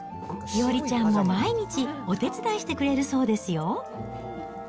日和ちゃんも毎日、お手伝いしてくれるそうですよ。